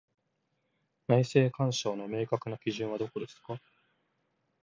内政干渉の明確な基準はどこですか？